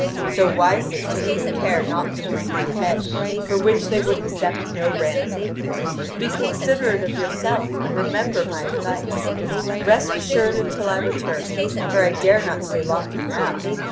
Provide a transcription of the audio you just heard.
So wisely take good care not to risk your head, for which they would accept no ransom. Be considerate of yourself and remember my advice. Rest assured until I return, for I dare not stay longer now.